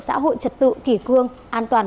xã hội trật tự kỳ cương an toàn